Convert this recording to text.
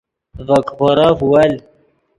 ڤے کیپورف ول